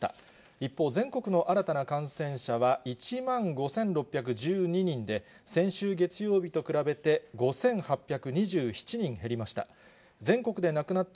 一方、全国の新たな感染者は１万５６１２人で、先週月曜日と比べて、５８２７人減りました。